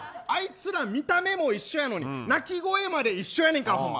あいつら見た目も一緒やのに鳴き声まで一緒やねんから。